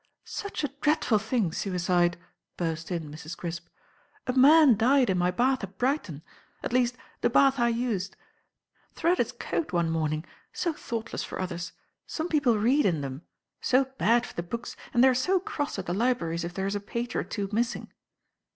"Such a dreadful thing, suicide," burst in Mrs. Crisp. "A man died in my bath at Brighton. At least, the bath I used. Thrut his coat one morning. So thoughtless for others. Some people read in them. So bad for the books, and they are so cross at the libraries if there is a page or two missing."